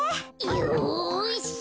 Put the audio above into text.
よし！